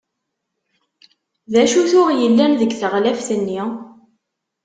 D acu tuɣ yellan deg teɣlaft-nni?